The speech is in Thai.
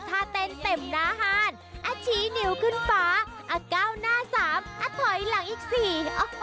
ป่าอเกล้าหน้าสามอถอยหลังอีกสี่